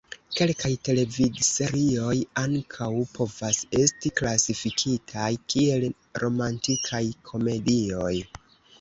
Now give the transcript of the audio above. Kelkaj televidserioj ankaŭ povas esti klasifikitaj kiel romantikaj komedioj.